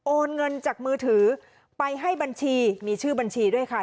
เงินจากมือถือไปให้บัญชีมีชื่อบัญชีด้วยค่ะ